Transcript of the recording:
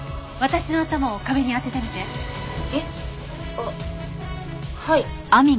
あっはい。